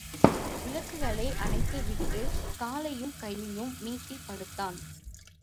விளக்குகளை அணைத்து விட்டுக் காலையும் கையையும் நீட்டிப் படுத்தான்.